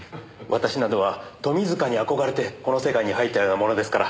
私などは富塚に憧れてこの世界に入ったようなものですから。